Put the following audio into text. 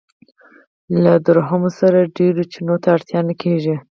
له درهمو سره ډېرو چنو ته اړتیا نه کېږي.